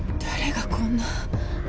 誰がこんな。